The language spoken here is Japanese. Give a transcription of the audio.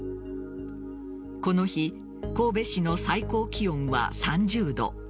この日神戸市の最高気温は３０度。